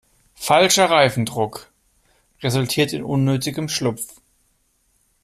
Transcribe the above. Falscher Reifendruck resultiert in unnötigem Schlupf.